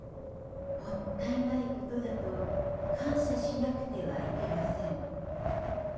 もったいないことだと感謝しなくてはいけません。